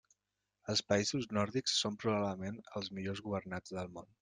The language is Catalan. Els països nòrdics són probablement els millors governats del món.